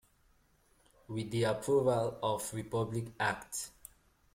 With the approval of Republic Act.